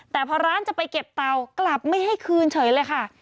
แต่พอร้านจะไปเก็บเตากลับไม่ให้คืนเฉยเลยค่ะ